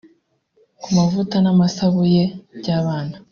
Ku mavuta n’amasabuye by’abana